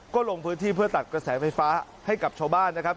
ก็ลงพื้นที่เพื่อตัดกระแสไฟฟ้าให้กับชาวบ้านนะครับ